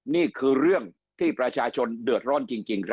นี่คือเรื่องที่ประชาชนเดือดร้อนจริงครับ